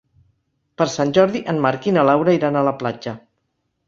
Per Sant Jordi en Marc i na Laura iran a la platja.